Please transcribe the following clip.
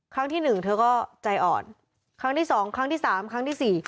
ครั้งที่หนึ่งเธอก็ใจอ่อนครั้งที่สองครั้งที่สามครั้งที่สี่